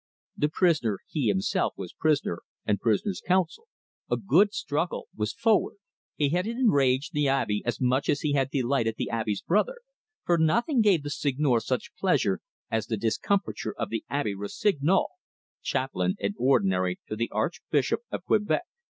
The prisoner he himself was prisoner and prisoner's counsel. A good struggle was forward. He had enraged the Abbe as much as he had delighted the Abbe's brother; for nothing gave the Seigneur such pleasure as the discomfiture of the Abbe Rossignol, chaplain and ordinary to the Archbishop of Quebec.